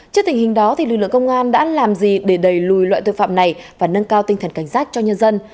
trước tình hình đó lực lượng công an đã làm gì để đẩy lùi loại tội phạm này và nâng cao tinh thần cảnh giác cho nhân dân